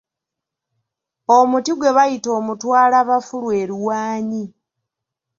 Omuti gwe bayita omutwalabafu lwe luwaanyi